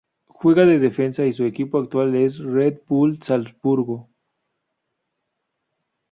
Juega de defensa y su equipo actual es Red Bull Salzburg.